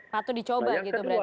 satu dicoba gitu berarti ya